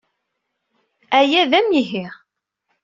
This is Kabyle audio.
Aya d amihi!